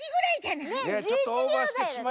ねえ１１秒だよね。